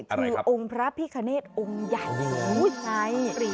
คือองค์พระพิคเนศองค์ผู้ยันทร์